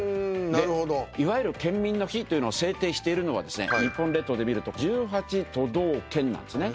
いわゆる県民の日というのを制定しているのはですね日本列島で見ると１８都道県なんですね。